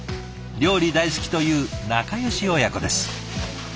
料理大好きという仲よし親子です。